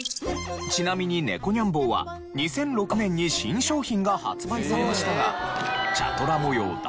ちなみに猫ニャンぼーは２００６年に新商品が発売されましたが。